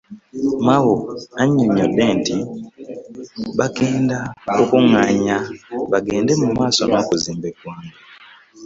Mao annyonnyodde nti bagenda kwekungaanya bagende mu maaso n'okuzimba eggwanga